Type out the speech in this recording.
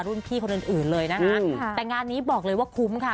พี่คนอื่นเลยนะคะแต่งานนี้บอกเลยว่าคุ้มค่ะ